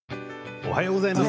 おはようございます。